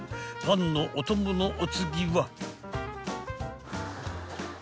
［パンのお供のお次は］